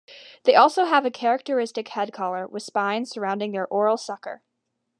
They also have a characteristic head collar with spines surrounding their oral sucker.